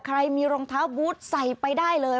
ใครมีรองเท้าบูธใส่ไปได้เลย